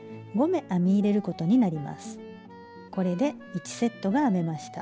これで１セットが編めました。